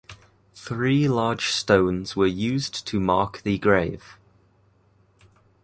Three large stones were used to mark the grave.